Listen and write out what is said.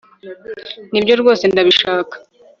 nibyo rwose ndabishaka